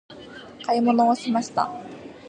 買い物をしました。